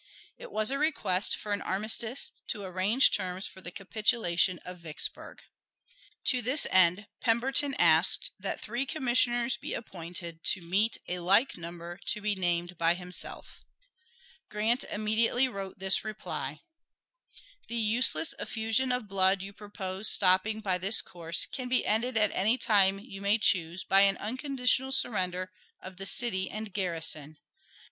It was a request for an armistice to arrange terms for the capitulation of Vicksburg. To this end Pemberton asked that three commissioners be appointed to meet a like number to be named by himself. Grant immediately wrote this reply: The useless effusion of blood you propose stopping by this course can be ended at any time you may choose by an unconditional surrender of the city and garrison.